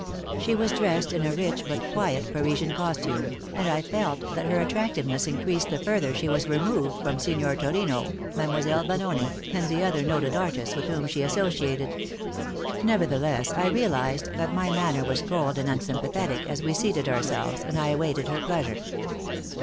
She was dressed in a rich but quiet Parisian costume, and I felt that her attractiveness increased the further she was removed from Signor Turino, Mlle. Vanoni and the other noted artists with whom she associated. Nevertheless, I realized that my manner was cold and unsympathetic as we seated ourselves and I awaited her pleasure.